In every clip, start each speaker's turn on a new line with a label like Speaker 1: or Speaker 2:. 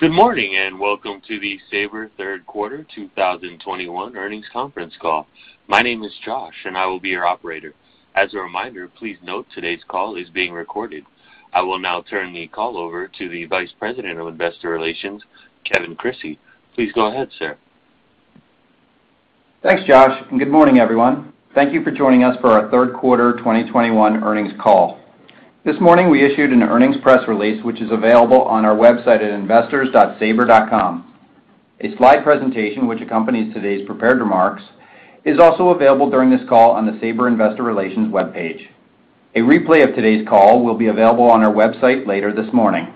Speaker 1: Good morning, and welcome to the Sabre Third Quarter 2021 Earnings Conference Call. My name is Josh, and I will be your operator. As a reminder, please note today's call is being recorded. I will now turn the call over to the Vice President of Investor Relations, Kevin Crissey. Please go ahead, sir.
Speaker 2: Thanks, Josh, and good morning, everyone. Thank you for joining us for our Third Quarter 2021 Earnings Call. This morning, we issued an earnings press release which is available on our website at investors.sabre.com. A slide presentation which accompanies today's prepared remarks is also available during this call on the Sabre Investor Relations webpage. A replay of today's call will be available on our website later this morning.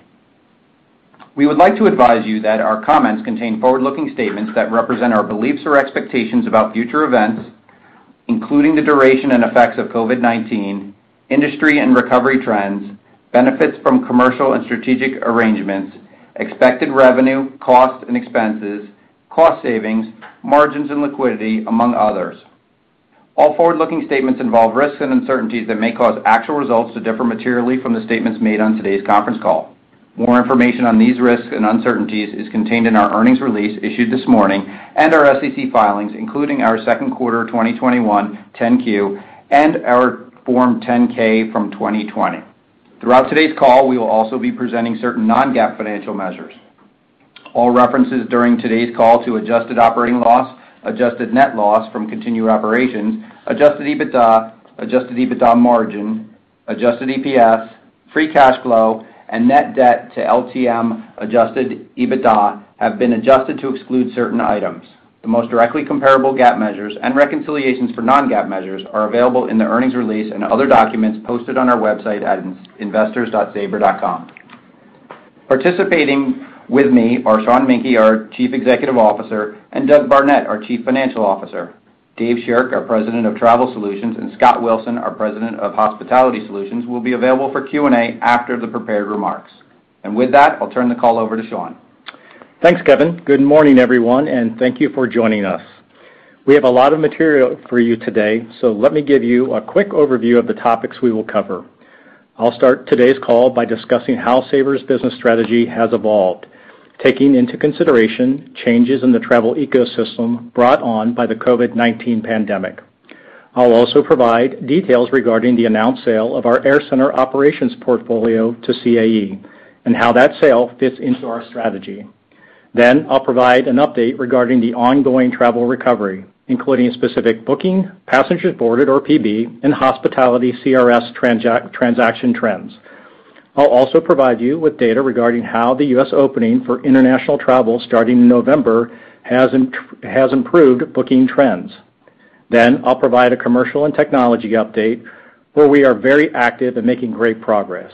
Speaker 2: We would like to advise you that our comments contain forward-looking statements that represent our beliefs or expectations about future events, including the duration and effects of COVID-19, industry and recovery trends, benefits from commercial and strategic arrangements, expected revenue, costs, and expenses, cost savings, margins and liquidity, among others. All forward-looking statements involve risks and uncertainties that may cause actual results to differ materially from the statements made on today's conference call. More information on these risks and uncertainties is contained in our earnings release issued this morning and our SEC filings, including our second quarter of 2021 10-Q and our Form 10-K from 2020. Throughout today's call, we will also be presenting certain non-GAAP financial measures. All references during today's call to adjusted operating loss, adjusted net loss from continued operations, adjusted EBITDA, adjusted EBITDA margin, adjusted EPS, free cash flow, and net debt to LTM adjusted EBITDA have been adjusted to exclude certain items. The most directly comparable GAAP measures and reconciliations for non-GAAP measures are available in the earnings release and other documents posted on our website at investors.sabre.com. Participating with me are Sean Menke, our Chief Executive Officer, and Doug Barnett, our Chief Financial Officer. Dave Shirk, our President of Travel Solutions, and Scott Wilson, our President of Hospitality Solutions, will be available for Q&A after the prepared remarks. With that, I'll turn the call over to Sean.
Speaker 3: Thanks, Kevin. Good morning, everyone, and thank you for joining us. We have a lot of material for you today, so let me give you a quick overview of the topics we will cover. I'll start today's call by discussing how Sabre's business strategy has evolved, taking into consideration changes in the travel ecosystem brought on by the COVID-19 pandemic. I'll also provide details regarding the announced sale of our AirCentre operations portfolio to CAE and how that sale fits into our strategy. I'll provide an update regarding the ongoing travel recovery, including specific booking, passengers boarded, or PB, and hospitality CRS transaction trends. I'll also provide you with data regarding how the U.S. opening for international travel starting in November has improved booking trends. I'll provide a commercial and technology update where we are very active and making great progress.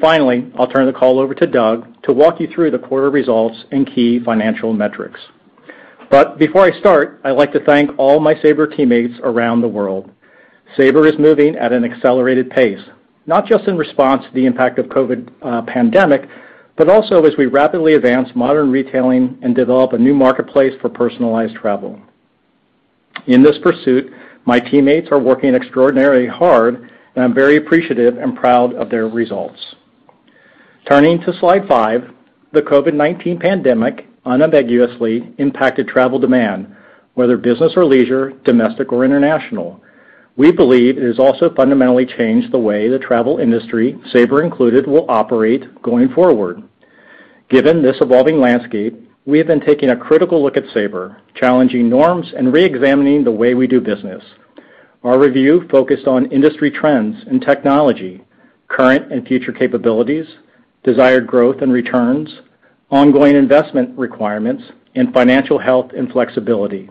Speaker 3: Finally, I'll turn the call over to Doug to walk you through the quarter results and key financial metrics. Before I start, I'd like to thank all my Sabre teammates around the world. Sabre is moving at an accelerated pace, not just in response to the impact of COVID-19 pandemic, but also as we rapidly advance modern retailing and develop a new marketplace for personalized travel. In this pursuit, my teammates are working extraordinarily hard, and I'm very appreciative and proud of their results. Turning to slide five, the COVID-19 pandemic unambiguously impacted travel demand, whether business or leisure, domestic or international. We believe it has also fundamentally changed the way the travel industry, Sabre included, will operate going forward. Given this evolving landscape, we have been taking a critical look at Sabre, challenging norms and reexamining the way we do business. Our review focused on industry trends and technology, current and future capabilities, desired growth and returns, ongoing investment requirements, and financial health and flexibility.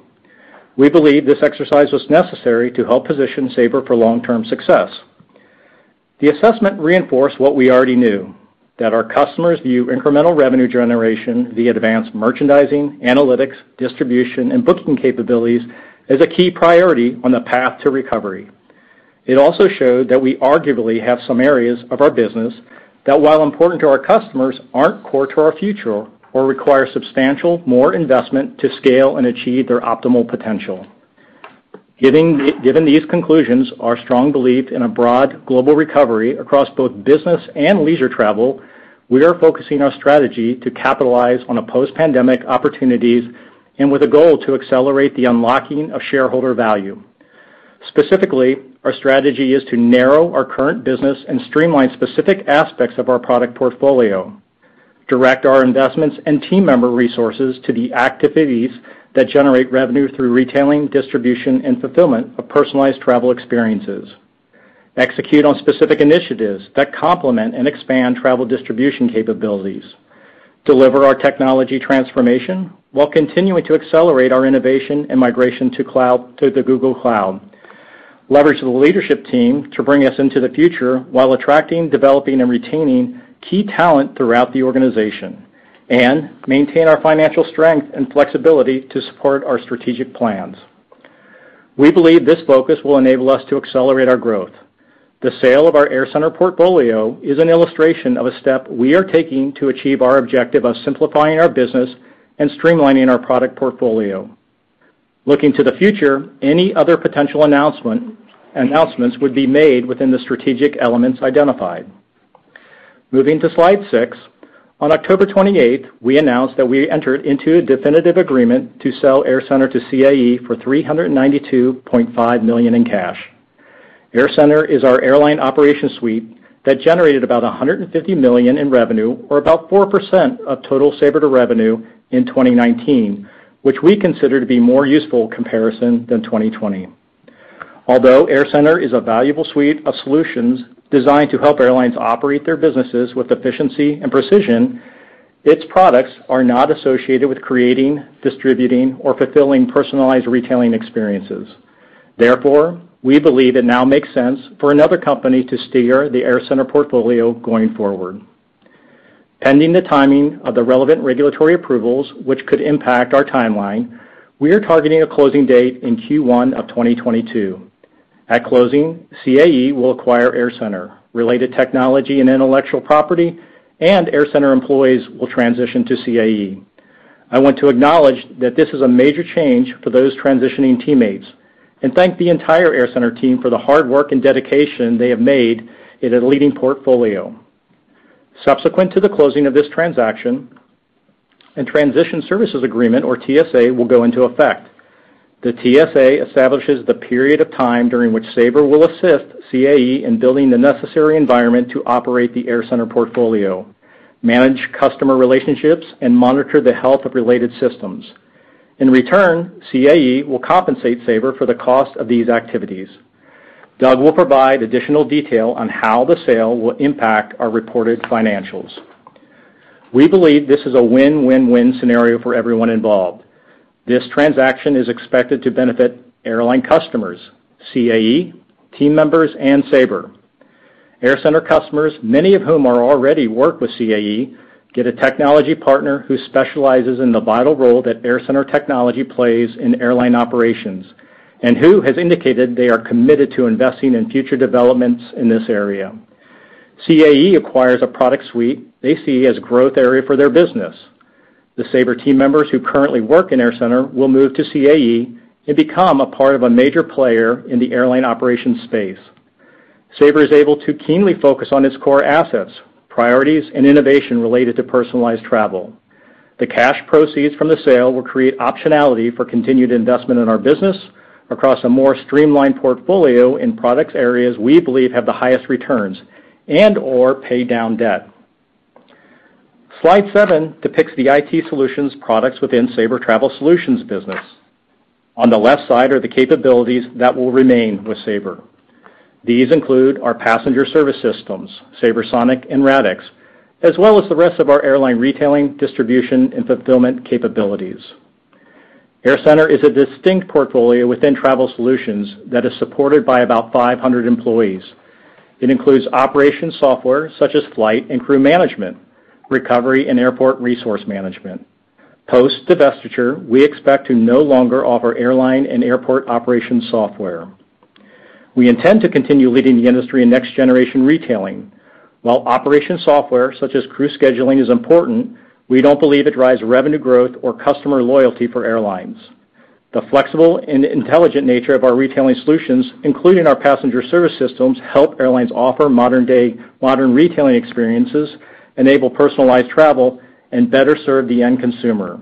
Speaker 3: We believe this exercise was necessary to help position Sabre for long-term success. The assessment reinforced what we already knew, that our customers view incremental revenue generation via advanced merchandising, analytics, distribution, and booking capabilities as a key priority on the path to recovery. It also showed that we arguably have some areas of our business that, while important to our customers, aren't core to our future or require substantial more investment to scale and achieve their optimal potential. Given these conclusions, our strong belief in a broad global recovery across both business and leisure travel, we are focusing our strategy to capitalize on post-pandemic opportunities and with a goal to accelerate the unlocking of shareholder value. Specifically, our strategy is to narrow our current business and streamline specific aspects of our product portfolio, direct our investments and team member resources to the activities that generate revenue through retailing, distribution, and fulfillment of personalized travel experiences, execute on specific initiatives that complement and expand travel distribution capabilities, deliver our technology transformation while continuing to accelerate our innovation and migration to the Google Cloud, leverage the leadership team to bring us into the future while attracting, developing, and retaining key talent throughout the organization, and maintain our financial strength and flexibility to support our strategic plans. We believe this focus will enable us to accelerate our growth. The sale of our AirCentre portfolio is an illustration of a step we are taking to achieve our objective of simplifying our business and streamlining our product portfolio. Looking to the future, any other potential announcements would be made within the strategic elements identified. Moving to slide six. On October 28th, we announced that we entered into a definitive agreement to sell AirCentre to CAE for $392.5 million in cash. AirCentre is our airline operation suite that generated about $150 million in revenue, or about 4% of total Sabre revenue in 2019, which we consider to be more useful comparison than 2020. Although AirCentre is a valuable suite of solutions designed to help airlines operate their businesses with efficiency and precision, its products are not associated with creating, distributing, or fulfilling personalized retailing experiences. Therefore, we believe it now makes sense for another company to steer the AirCentre portfolio going forward. Pending the timing of the relevant regulatory approvals, which could impact our timeline, we are targeting a closing date in Q1 of 2022. At closing, CAE will acquire AirCentre, related technology and intellectual property, and AirCentre employees will transition to CAE. I want to acknowledge that this is a major change for those transitioning teammates, and thank the entire AirCentre team for the hard work and dedication they have made in a leading portfolio. Subsequent to the closing of this transaction, a transition services agreement, or TSA, will go into effect. The TSA establishes the period of time during which Sabre will assist CAE in building the necessary environment to operate the AirCentre portfolio, manage customer relationships, and monitor the health of related systems. In return, CAE will compensate Sabre for the cost of these activities. Doug will provide additional detail on how the sale will impact our reported financials. We believe this is a win-win-win scenario for everyone involved. This transaction is expected to benefit airline customers, CAE, team members, and Sabre. AirCentre customers, many of whom already work with CAE, get a technology partner who specializes in the vital role that AirCentre technology plays in airline operations and who has indicated they are committed to investing in future developments in this area. CAE acquires a product suite they see as a growth area for their business. The Sabre team members who currently work in AirCentre will move to CAE and become a part of a major player in the airline operations space. Sabre is able to keenly focus on its core assets, priorities, and innovation related to personalized travel. The cash proceeds from the sale will create optionality for continued investment in our business across a more streamlined portfolio in product areas we believe have the highest returns and/or pay down debt. Slide seven depicts the IT Solutions products within Sabre Travel Solutions business. On the left side are the capabilities that will remain with Sabre. These include our passenger service systems, SabreSonic and Radixx, as well as the rest of our airline retailing, distribution, and fulfillment capabilities. AirCentre is a distinct portfolio within Travel Solutions that is supported by about 500 employees. It includes operation software such as flight and crew management, recovery, and airport resource management. Post-divestiture, we expect to no longer offer airline and airport operations software. We intend to continue leading the industry in next generation retailing. While operations software, such as crew scheduling, is important, we don't believe it drives revenue growth or customer loyalty for airlines. The flexible and intelligent nature of our retailing solutions, including our passenger service systems, help airlines offer modern retailing experiences, enable personalized travel, and better serve the end consumer.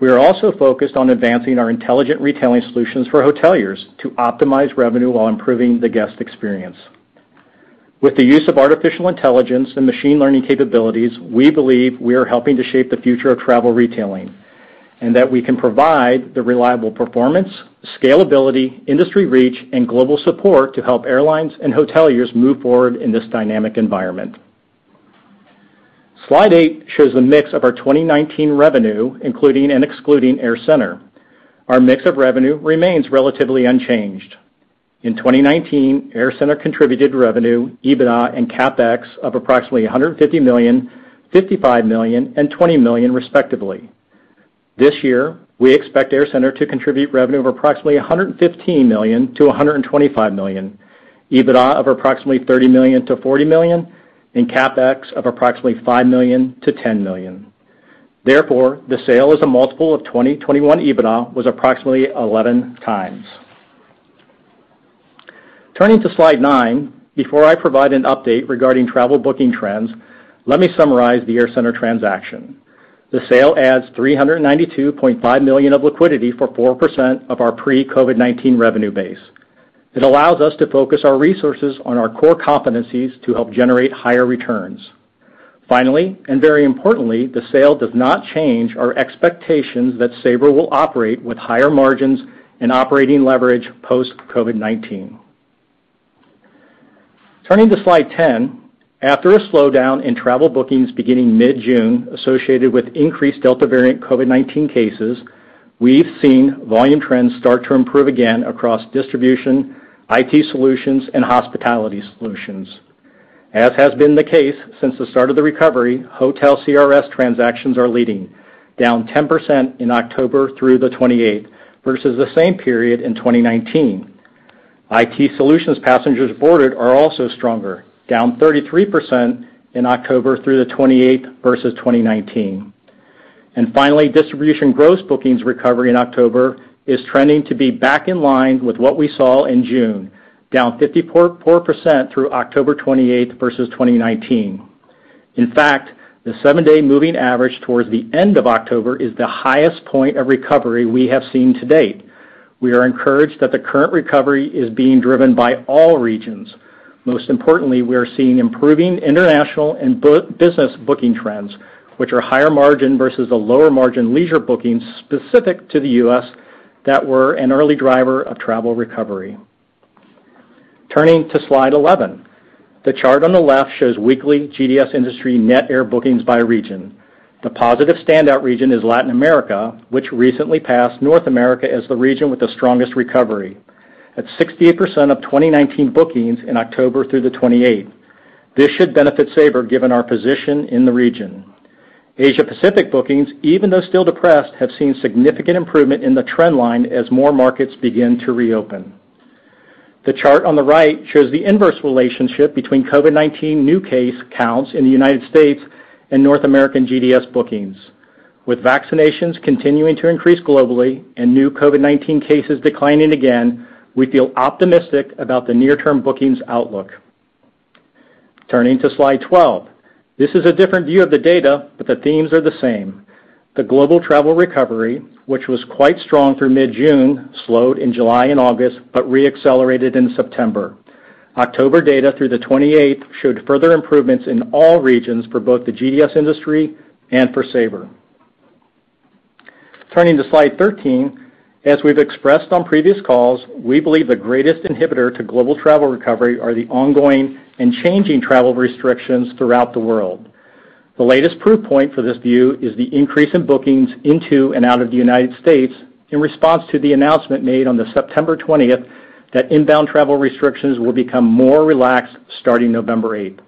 Speaker 3: We are also focused on advancing our intelligent retailing solutions for hoteliers to optimize revenue while improving the guest experience. With the use of artificial intelligence and machine learning capabilities, we believe we are helping to shape the future of travel retailing, and that we can provide the reliable performance, scalability, industry reach, and global support to help airlines and hoteliers move forward in this dynamic environment. Slide eight shows the mix of our 2019 revenue, including and excluding AirCentre. Our mix of revenue remains relatively unchanged. In 2019, AirCentre contributed revenue, EBITDA, and CapEx of approximately $150 million, $55 million, and $20 million, respectively. This year, we expect AirCentre to contribute revenue of approximately $115 million-$125 million, EBITDA of approximately $30 million-$40 million, and CapEx of approximately $5 million-$10 million. Therefore, the sale is a multiple of 2021 EBITDA was approximately 11x. Turning to slide nine, before I provide an update regarding travel booking trends, let me summarize the AirCentre transaction. The sale adds $392.5 million of liquidity for 4% of our pre-COVID-19 revenue base. It allows us to focus our resources on our core competencies to help generate higher returns. Finally, and very importantly, the sale does not change our expectations that Sabre will operate with higher margins and operating leverage post-COVID-19. Turning to slide 10. After a slowdown in travel bookings beginning mid-June associated with increased Delta variant COVID-19 cases, we've seen volume trends start to improve again across distribution, IT Solutions, and Hospitality Solutions. As has been the case since the start of the recovery, hotel CRS transactions are leading, down 10% in October through the 28th versus the same period in 2019. IT Solutions passengers boarded are also stronger, down 33% in October through the 28th versus 2019. Finally, distribution gross bookings recovery in October is trending to be back in line with what we saw in June, down 54.4% through October 28th versus 2019. In fact, the seven-day moving average towards the end of October is the highest point of recovery we have seen to date. We are encouraged that the current recovery is being driven by all regions. Most importantly, we are seeing improving international and business booking trends, which are higher margin versus the lower margin leisure bookings specific to the U.S. that were an early driver of travel recovery. Turning to slide 11, the chart on the left shows weekly GDS industry net air bookings by region. The positive standout region is Latin America, which recently passed North America as the region with the strongest recovery at 68% of 2019 bookings in October through the 28th. This should benefit Sabre, given our position in the region. Asia-Pacific bookings, even though still depressed, have seen significant improvement in the trend line as more markets begin to reopen. The chart on the right shows the inverse relationship between COVID-19 new case counts in the United States and North American GDS bookings. With vaccinations continuing to increase globally and new COVID-19 cases declining again, we feel optimistic about the near term bookings outlook. Turning to slide 12. This is a different view of the data, but the themes are the same. The global travel recovery, which was quite strong through mid-June, slowed in July and August, but re-accelerated in September. October data through the 28th showed further improvements in all regions for both the GDS industry and for Sabre. Turning to slide 13. As we've expressed on previous calls, we believe the greatest inhibitor to global travel recovery are the ongoing and changing travel restrictions throughout the world. The latest proof point for this view is the increase in bookings into and out of the United States in response to the announcement made on September 20th, that inbound travel restrictions will become more relaxed starting November 8.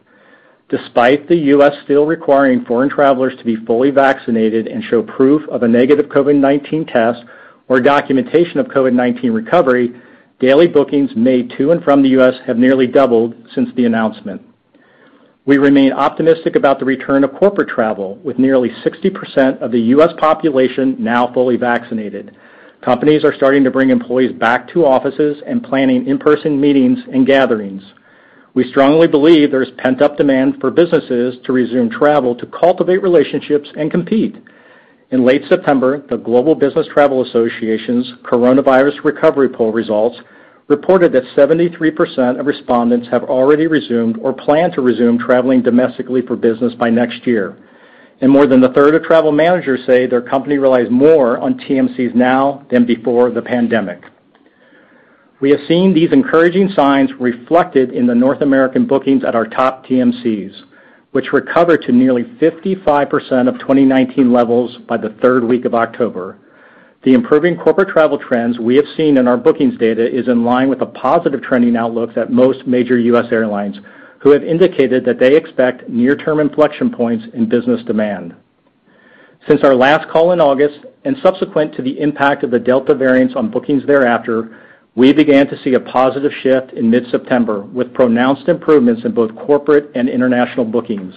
Speaker 3: Despite the U.S. still requiring foreign travelers to be fully vaccinated and show proof of a negative COVID-19 test or documentation of COVID-19 recovery, daily bookings made to and from the U.S. have nearly doubled since the announcement. We remain optimistic about the return of corporate travel, with nearly 60% of the U.S. population now fully vaccinated. Companies are starting to bring employees back to offices and planning in-person meetings and gatherings. We strongly believe there's pent-up demand for businesses to resume travel to cultivate relationships and compete. In late September, the Global Business Travel Association's Coronavirus Recovery poll results reported that 73% of respondents have already resumed or plan to resume traveling domestically for business by next year. More than a third of travel managers say their company relies more on TMCs now than before the pandemic. We have seen these encouraging signs reflected in the North American bookings at our top TMCs, which recovered to nearly 55% of 2019 levels by the third week of October. The improving corporate travel trends we have seen in our bookings data is in line with a positive trending outlook that most major U.S. airlines who have indicated that they expect near-term inflection points in business demand. Since our last call in August and subsequent to the impact of the Delta variants on bookings thereafter, we began to see a positive shift in mid-September, with pronounced improvements in both corporate and international bookings.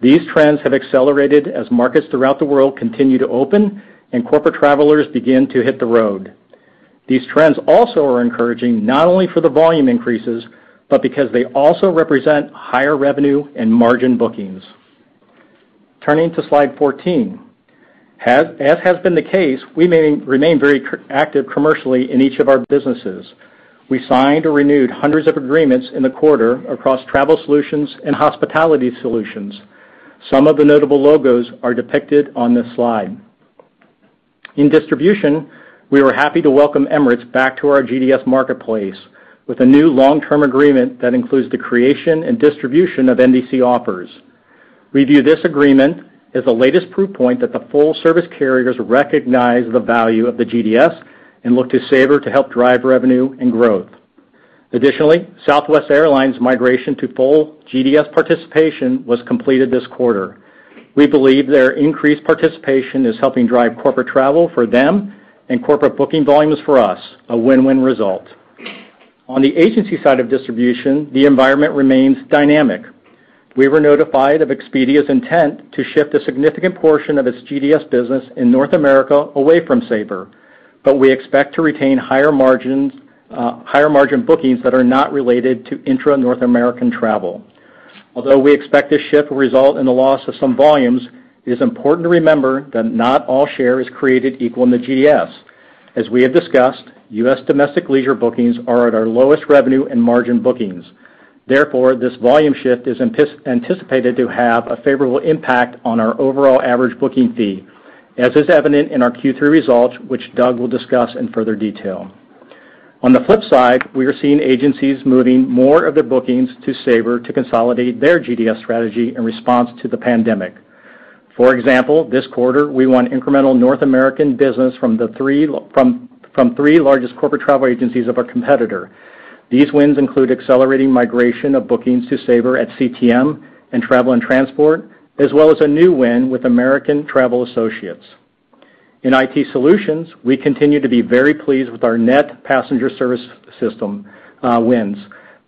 Speaker 3: These trends have accelerated as markets throughout the world continue to open and corporate travelers begin to hit the road. These trends also are encouraging not only for the volume increases, but because they also represent higher revenue and margin bookings. Turning to slide 14. As has been the case, we remain very active commercially in each of our businesses. We signed or renewed hundreds of agreements in the quarter across Travel Solutions and Hospitality Solutions. Some of the notable logos are depicted on this slide. In distribution, we were happy to welcome Emirates back to our GDS marketplace with a new long-term agreement that includes the creation and distribution of NDC offers. We view this agreement as the latest proof point that the full-service carriers recognize the value of the GDS and look to Sabre to help drive revenue and growth. Additionally, Southwest Airlines' migration to full GDS participation was completed this quarter. We believe their increased participation is helping drive corporate travel for them and corporate booking volumes for us, a win-win result. On the agency side of distribution, the environment remains dynamic. We were notified of Expedia's intent to shift a significant portion of its GDS business in North America away from Sabre, but we expect to retain higher margin bookings that are not related to intra-North American travel. Although we expect this shift will result in the loss of some volumes, it is important to remember that not all share is created equal in the GDS. As we have discussed, U.S. domestic leisure bookings are at our lowest revenue and margin bookings. Therefore, this volume shift is anticipated to have a favorable impact on our overall average booking fee, as is evident in our Q3 results, which Doug will discuss in further detail. On the flip side, we are seeing agencies moving more of their bookings to Sabre to consolidate their GDS strategy in response to the pandemic. For example, this quarter, we won incremental North American business from the three largest corporate travel agencies of our competitor. These wins include accelerating migration of bookings to Sabre at CTM and Travel and Transport, as well as a new win with American Travel Associates. In IT Solutions, we continue to be very pleased with our net passenger service system wins.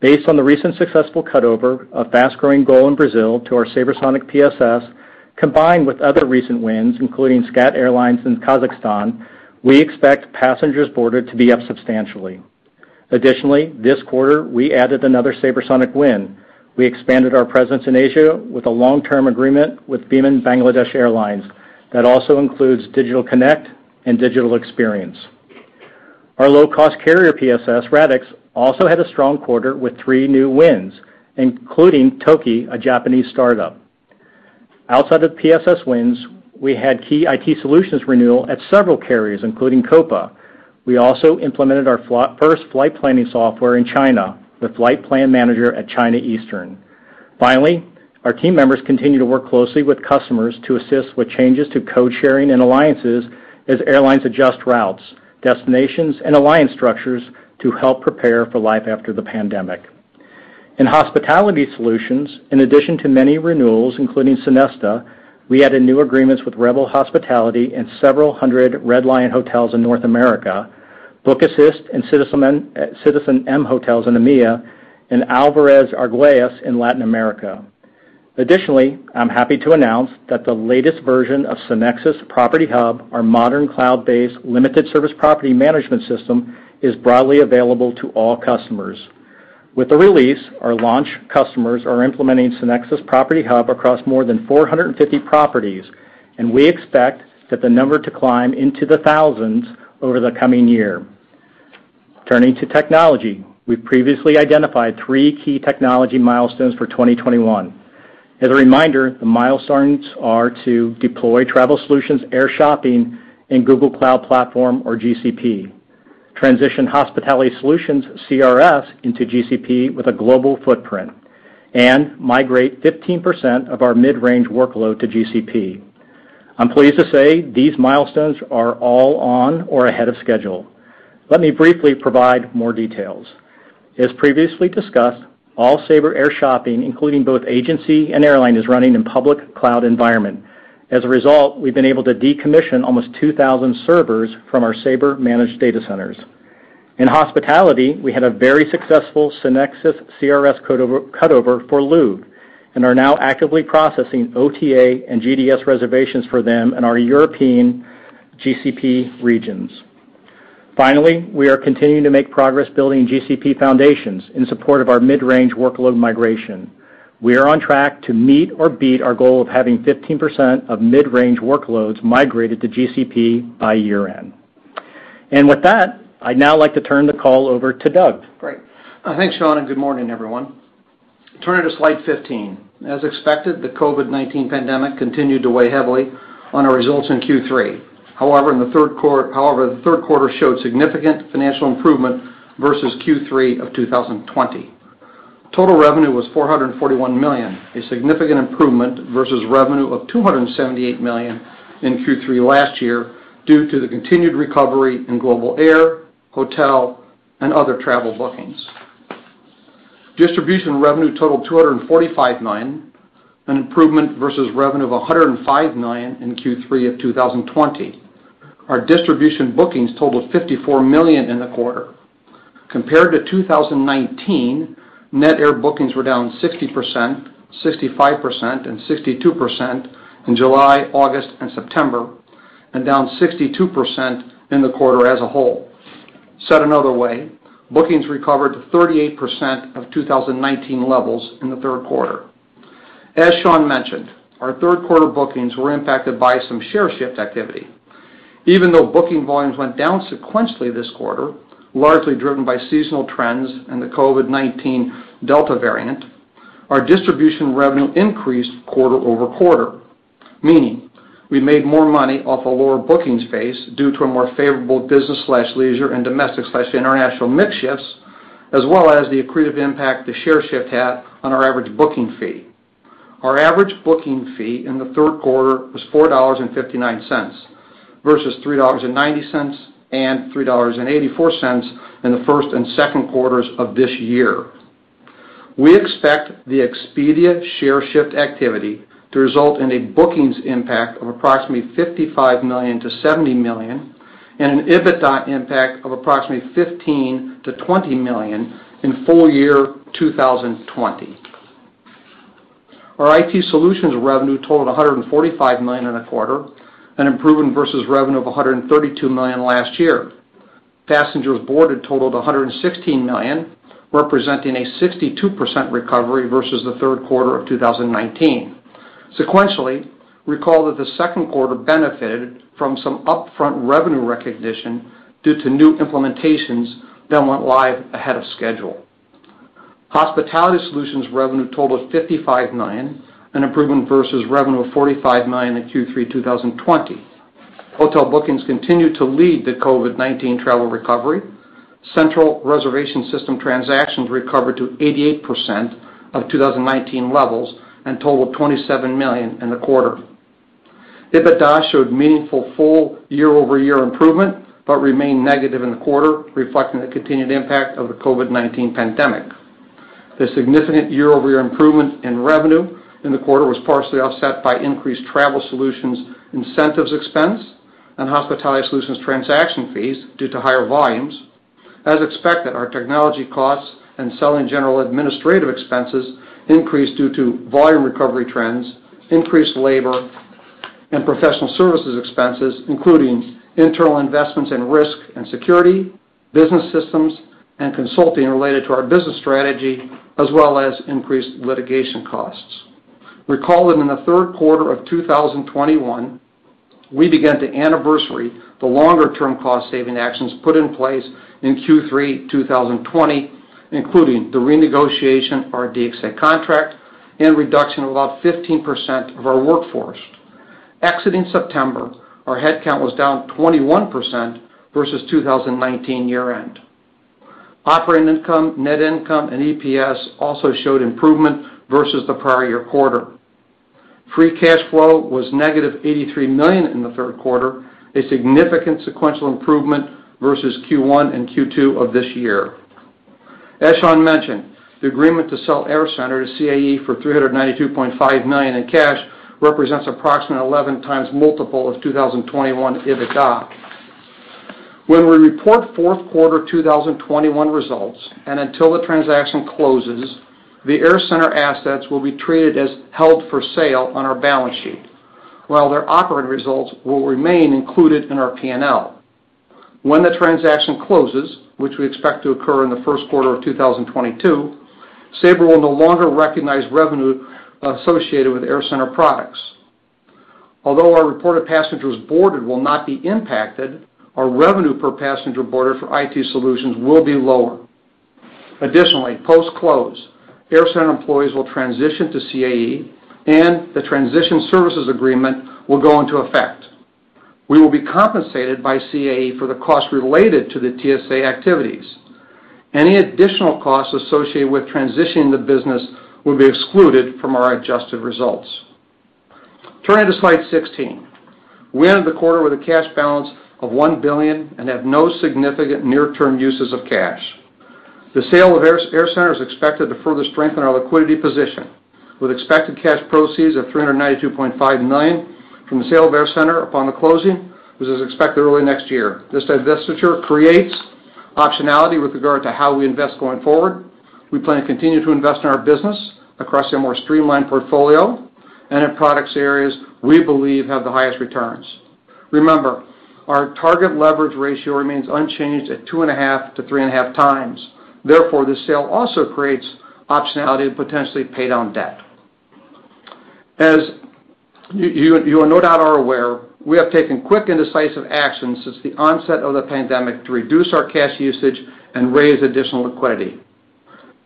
Speaker 3: Based on the recent successful cut-over of fast-growing GOL in Brazil to our SabreSonic PSS, combined with other recent wins, including SCAT Airlines in Kazakhstan, we expect passengers boarded to be up substantially. Additionally, this quarter, we added another SabreSonic win. We expanded our presence in Asia with a long-term agreement with Biman Bangladesh Airlines that also includes Digital Connect and Digital Experience. Our low-cost carrier PSS, Radixx, also had a strong quarter with three new wins, including TOKI AIR, a Japanese startup. Outside of PSS wins, we had key IT Solutions renewal at several carriers, including Copa Airlines. We also implemented our first flight planning software in China with Flight Plan Manager at China Eastern Airlines. Finally, our team members continue to work closely with customers to assist with changes to code sharing and alliances as airlines adjust routes, destinations, and alliance structures to help prepare for life after the pandemic. In Hospitality Solutions, in addition to many renewals, including Sonesta, we added new agreements with Rebel Hospitality and several hundred Red Lion Hotels in North America, Bookassist and citizenM Hotels in EMEA, and Álvarez Argüelles in Latin America. Additionally, I'm happy to announce that the latest version of SynXis Property Hub, our modern cloud-based limited service property management system, is broadly available to all customers. With the release, our launch customers are implementing SynXis Property Hub across more than 450 properties, and we expect that the number to climb into the thousands over the coming year. Turning to technology, we've previously identified three key technology milestones for 2021. As a reminder, the milestones are to deploy Travel Solutions Air Shopping in Google Cloud Platform or GCP, transition Hospitality Solutions CRS into GCP with a global footprint, and migrate 15% of our mid-range workload to GCP. I'm pleased to say these milestones are all on or ahead of schedule. Let me briefly provide more details. As previously discussed, all Sabre Air Shopping, including both agency and airline, is running in public cloud environment. As a result, we've been able to decommission almost 2000 servers from our Sabre-managed data centers. In Hospitality, we had a very successful SynXis CRS cutover for Louvre and are now actively processing OTA and GDS reservations for them in our European GCP regions. Finally, we are continuing to make progress building GCP foundations in support of our mid-range workload migration. We are on track to meet or beat our goal of having 15% of mid-range workloads migrated to GCP by year-end. With that, I'd now like to turn the call over to Doug.
Speaker 4: Great. Thanks, Sean, and good morning, everyone. Turning to slide 15. As expected, the COVID-19 pandemic continued to weigh heavily on our results in Q3. However, the third quarter showed significant financial improvement versus Q3 of 2020. Total revenue was $441 million, a significant improvement versus revenue of $278 million in Q3 last year due to the continued recovery in global air, hotel, and other travel bookings. Distribution revenue totaled $245 million, an improvement versus revenue of $105 million in Q3 of 2020. Our distribution bookings totaled $54 million in the quarter. Compared to 2019, net air bookings were down 60%, 65%, and 62% in July, August, and September, and down 62% in the quarter as a whole. Said another way, bookings recovered to 38% of 2019 levels in the third quarter. As Sean mentioned, our third quarter bookings were impacted by some share shift activity. Even though booking volumes went down sequentially this quarter, largely driven by seasonal trends and the COVID-19 Delta variant, our distribution revenue increased quarter-over-quarter, meaning we made more money off a lower bookings base due to a more favorable business/leisure and domestic/international mix shifts, as well as the accretive impact the share shift had on our average booking fee. Our average booking fee in the third quarter was $4.59 versus $3.90 and $3.84 in the first and second quarters of this year. We expect the Expedia share shift activity to result in a bookings impact of approximately $55 million-$70 million and an EBITDA impact of approximately $15 million-$20 million in full year 2020. Our IT Solutions revenue totaled $145 million in the quarter, an improvement versus revenue of $132 million last year. Passengers boarded totaled 116 million, representing a 62% recovery versus the third quarter of 2019. Sequentially, recall that the second quarter benefited from some upfront revenue recognition due to new implementations that went live ahead of schedule. Hospitality Solutions revenue totaled $55 million, an improvement versus revenue of $45 million in Q3 2020. Hotel bookings continued to lead the COVID-19 travel recovery. Central reservation system transactions recovered to 88% of 2019 levels and totaled 27 million in the quarter. EBITDA showed meaningful full year-over-year improvement but remained negative in the quarter, reflecting the continued impact of the COVID-19 pandemic. The significant year-over-year improvement in revenue in the quarter was partially offset by increased Travel Solutions incentives expense and Hospitality Solutions transaction fees due to higher volumes. As expected, our technology costs and selling, general and administrative expenses increased due to volume recovery trends, increased labor and professional services expenses, including internal investments in risk and security, business systems, and consulting related to our business strategy, as well as increased litigation costs. Recall that in the third quarter of 2021, we began to anniversary the longer-term cost-saving actions put in place in Q3 2020, including the renegotiation of our DXC contract and reduction of about 15% of our workforce. Exiting September, our headcount was down 21% versus 2019 year-end. Operating income, net income, and EPS also showed improvement versus the prior year quarter. Free cash flow was -$83 million in the third quarter, a significant sequential improvement versus Q1 and Q2 of this year. As Sean mentioned, the agreement to sell AirCentre to CAE for $392.5 million in cash represents approximately 11x multiple of 2021 EBITDA. When we report Q4 2021 results and until the transaction closes, the AirCentre assets will be treated as held for sale on our balance sheet, while their operating results will remain included in our P&L. When the transaction closes, which we expect to occur in Q1 2022, Sabre will no longer recognize revenue associated with AirCentre products. Although our reported passengers boarded will not be impacted, our revenue per passenger boarded for IT Solutions will be lower. Additionally, post-close, AirCentre employees will transition to CAE, and the transition services agreement will go into effect. We will be compensated by CAE for the cost related to the TSA activities. Any additional costs associated with transitioning the business will be excluded from our adjusted results. Turning to slide 16. We ended the quarter with a cash balance of $1 billion and have no significant near-term uses of cash. The sale of AirCentre is expected to further strengthen our liquidity position, with expected cash proceeds of $392.5 million from the sale of AirCentre upon the closing, which is expected early next year. This divestiture creates optionality with regard to how we invest going forward. We plan to continue to invest in our business across a more streamlined portfolio and in product areas we believe have the highest returns. Remember, our target leverage ratio remains unchanged at 2.5x-3.5x. Therefore, this sale also creates optionality to potentially pay down debt. As you no doubt are aware, we have taken quick and decisive action since the onset of the pandemic to reduce our cash usage and raise additional liquidity.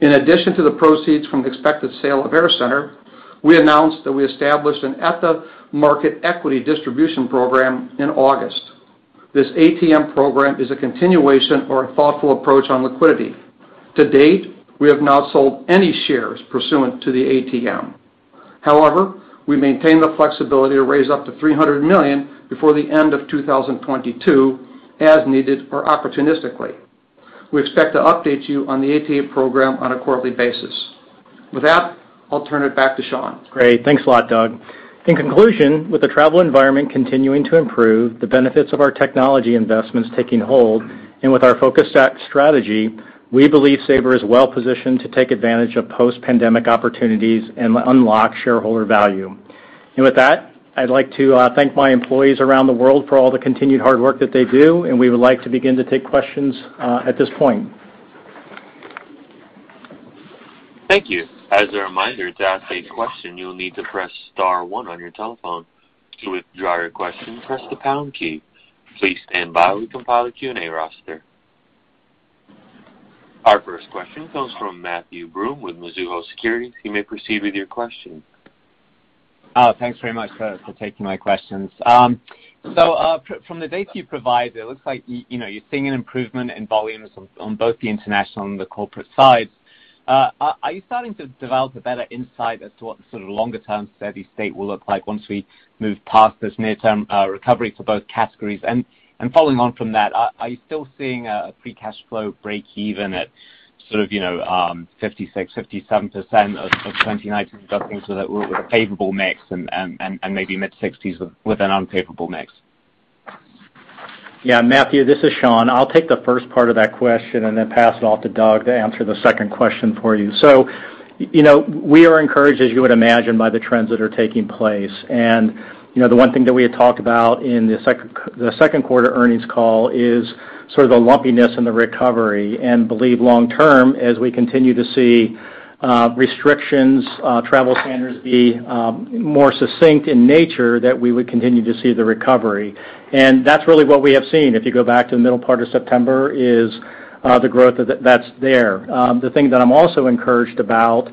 Speaker 4: In addition to the proceeds from the expected sale of AirCentre, we announced that we established an at-the-market equity distribution program in August. This ATM program is a continuation of our thoughtful approach on liquidity. To date, we have not sold any shares pursuant to the ATM. However, we maintain the flexibility to raise up to $300 million before the end of 2022 as needed or opportunistically. We expect to update you on the ATM program on a quarterly basis. With that, I'll turn it back to Sean.
Speaker 3: Great. Thanks a lot, Doug. In conclusion, with the travel environment continuing to improve, the benefits of our technology investments taking hold, and with our focused strategy, we believe Sabre is well positioned to take advantage of post-pandemic opportunities and unlock shareholder value. With that, I'd like to thank my employees around the world for all the continued hard work that they do, and we would like to begin to take questions at this point.
Speaker 1: Thank you. As a reminder, to ask a question, you will need to press star one on your telephone. To withdraw your question, press the pound key. Please stand by while we compile a Q&A roster. Our first question comes from Matthew Broome with Mizuho Securities. You may proceed with your question.
Speaker 5: Oh, thanks very much for taking my questions. So, from the data you provide, it looks like you know, you're seeing an improvement in volumes on both the international and the corporate sides. Are you starting to develop a better insight as to what the sort of longer-term steady state will look like once we move past this near-term recovery for both categories? Following on from that, are you still seeing a free cash flow breakeven at sort of, you know, 56%-57% of 2019 with a favorable mix and maybe mid-60s with an unfavorable mix?
Speaker 3: Yeah, Matthew, this is Sean. I'll take the first part of that question and then pass it off to Doug to answer the second question for you. You know, we are encouraged, as you would imagine, by the trends that are taking place. You know, the one thing that we had talked about in the second quarter earnings call is sort of the lumpiness in the recovery and believe long term, as we continue to see, restrictions, travel standards be, more succinct in nature, that we would continue to see the recovery. That's really what we have seen. If you go back to the middle part of September is the growth that's there. The thing that I'm also encouraged about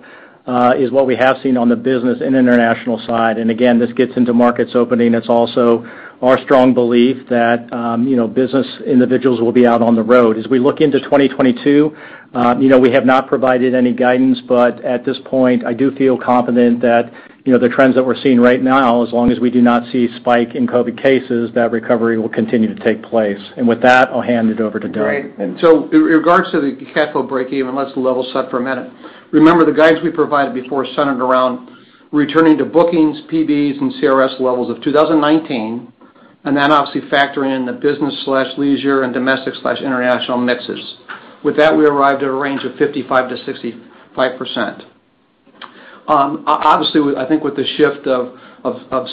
Speaker 3: is what we have seen on the business and international side. Again, this gets into markets opening. It's also our strong belief that, you know, business individuals will be out on the road. As we look into 2022, you know, we have not provided any guidance, but at this point, I do feel confident that, you know, the trends that we're seeing right now, as long as we do not see a spike in COVID cases, that recovery will continue to take place. With that, I'll hand it over to Doug.
Speaker 4: Great. In regards to the cash flow breakeven, let's level set for a minute. Remember, the guidance we provided before centered around returning to bookings, PBs and CRS levels of 2019, and then obviously factoring in the business/leisure and domestic/international mixes. With that, we arrived at a range of 55%-65%. Obviously, I think with the shift of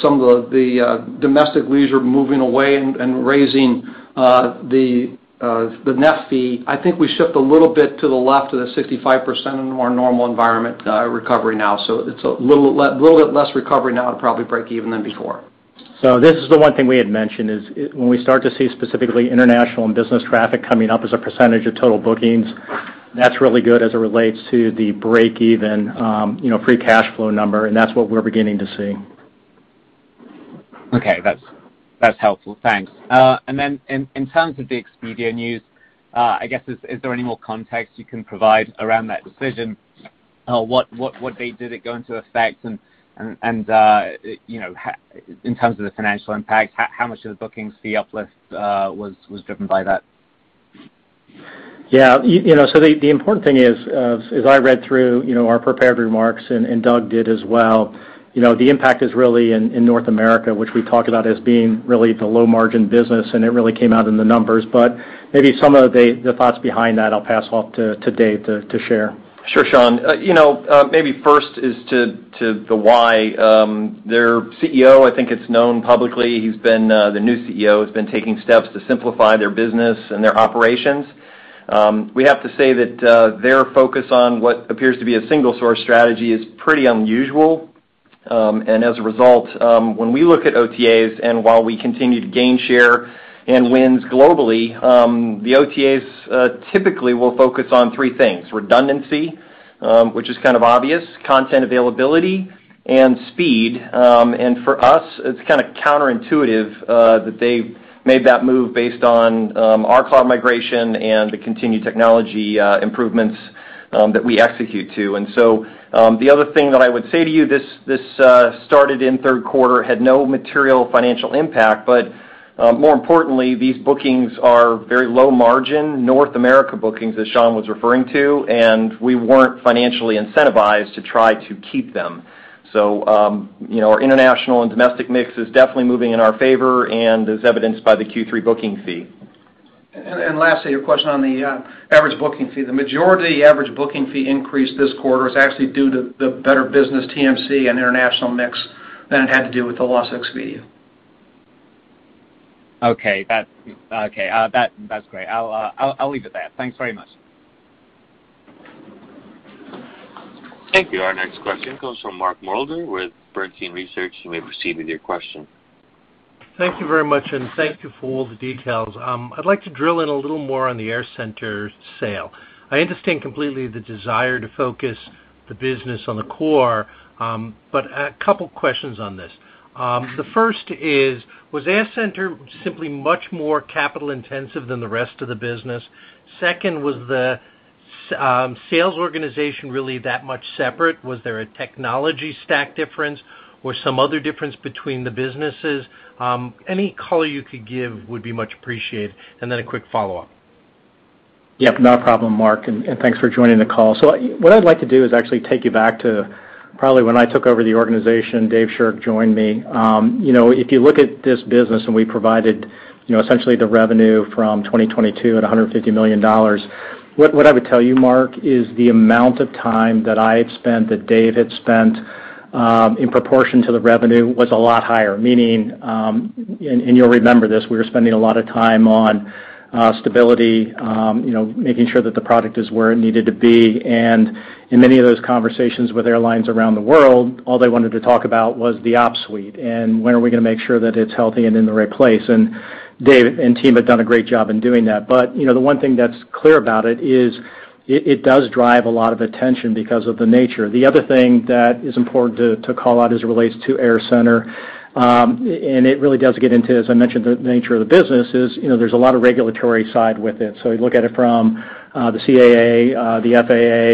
Speaker 4: some of the domestic leisure moving away and raising the net fee, I think we shift a little bit to the left of the 65% in a more normal environment recovery now. It's a little bit less recovery now to probably break even than before.
Speaker 3: This is the one thing we had mentioned is when we start to see specifically international and business traffic coming up as a percentage of total bookings, that's really good as it relates to the breakeven, you know, free cash flow number, and that's what we're beginning to see.
Speaker 5: Okay. That's helpful. Thanks. In terms of the Expedia news, I guess, is there any more context you can provide around that decision? What date did it go into effect? You know, in terms of the financial impact, how much of the bookings fee uplift was driven by that?
Speaker 3: Yeah. You know, the important thing is, as I read through our prepared remarks, and Doug did as well, you know, the impact is really in North America, which we talk about as being really the low margin business, and it really came out in the numbers. Maybe some of the thoughts behind that I'll pass off to Dave to share.
Speaker 6: Sure, Sean. You know, maybe first is to the why. Their CEO, I think it's known publicly, the new CEO has been taking steps to simplify their business and their operations. We have to say that their focus on what appears to be a single source strategy is pretty unusual. As a result, when we look at OTAs and while we continue to gain share and wins globally, the OTAs typically will focus on three things, redundancy, which is kind of obvious, content availability, and speed. For us, it's kind of counterintuitive that they made that move based on our cloud migration and the continued technology improvements that we execute to. The other thing that I would say to you, this started in third quarter, had no material financial impact. More importantly, these bookings are very low margin North America bookings, as Sean was referring to, and we weren't financially incentivized to try to keep them. You know, our international and domestic mix is definitely moving in our favor and as evidenced by the Q3 booking fee.
Speaker 4: Lastly, your question on the average booking fee. The majority average booking fee increase this quarter is actually due to the better business TMC and international mix than it had to do with the loss of Expedia.
Speaker 5: Okay. Okay. That's great. I'll leave it there. Thanks very much.
Speaker 1: Thank you. Our next question comes from Mark Moerdler with Bernstein Research. You may proceed with your question.
Speaker 7: Thank you very much, and thank you for all the details. I'd like to drill in a little more on the AirCentre sale. I understand completely the desire to focus the business on the core, but a couple questions on this. The first is, was AirCentre simply much more capital-intensive than the rest of the business? Second, was the sales organization really that much separate? Was there a technology stack difference or some other difference between the businesses? Any color you could give would be much appreciated, and then a quick follow-up.
Speaker 3: Yep, not a problem, Mark, and thanks for joining the call. What I'd like to do is actually take you back to probably when I took over the organization, Dave Shirk joined me. You know, if you look at this business, and we provided, you know, essentially the revenue from 2022 at $150 million, what I would tell you, Mark, is the amount of time that I had spent, that Dave had spent, in proportion to the revenue was a lot higher. Meaning, and you'll remember this, we were spending a lot of time on stability, you know, making sure that the product is where it needed to be. In many of those conversations with airlines around the world, all they wanted to talk about was the ops suite, and when are we going to make sure that it's healthy and in the right place. Dave and team have done a great job in doing that. You know, the one thing that's clear about it is it does drive a lot of attention because of the nature. The other thing that is important to call out as it relates to AirCentre, and it really does get into, as I mentioned, the nature of the business, is, you know, there's a lot of regulatory side with it. You look at it from the CAA, the